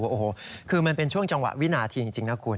โอ้โหคือมันเป็นช่วงจังหวะวินาทีจริงนะคุณ